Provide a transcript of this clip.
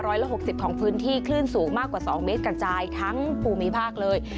ร้อยละ๖๐ของพื้นที่คลื่นสูงมากกว่า๒เมตรกระจายทั้งภูมิภาคเลย